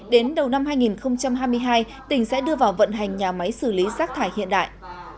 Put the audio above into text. đến đầu năm hai nghìn hai mươi hai tỉnh sẽ đưa vào vận hành nhà máy xử lý rác thải hiện đại